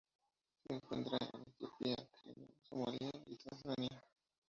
Se encuentra en Etiopía, Kenia, Somalía y Tanzania.